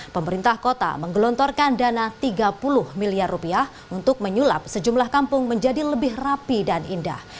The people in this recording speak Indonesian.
pemerintah kota menggelontorkan dana tiga puluh miliar rupiah untuk menyulap sejumlah kampung menjadi lebih rapi dan indah